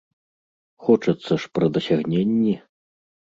Хочацца ж пра дасягненні!